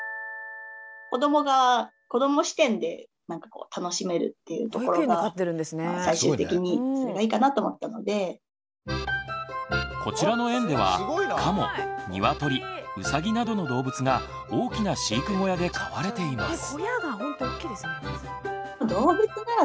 こちらの園ではカモニワトリウサギなどの動物が大きな飼育小屋で飼われています。